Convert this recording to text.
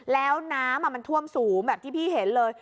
แล้วน้ำมันท่วมสูงแบบที่พี่เห็นเลย